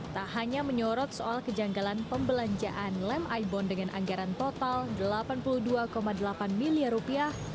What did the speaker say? tak hanya menyorot soal kejanggalan pembelanjaan lem ibon dengan anggaran total delapan puluh dua delapan miliar rupiah